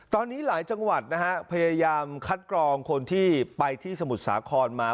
ตอนนี้หลายจังหวัดนะฮะพยายามคัดกรองคนที่ไปที่สมุทรสาครมา